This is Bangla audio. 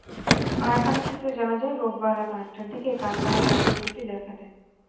কারখানা সূত্রে জানা যায়, রোববার রাত আটটার দিকে কারখানায় যান্ত্রিক ত্রুটি দেখা দেয়।